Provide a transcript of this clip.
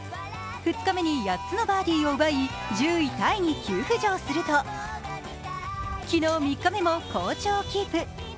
２日目に８つのバーディーを奪い１０位タイに急浮上すると昨日３日目も好調をキープ。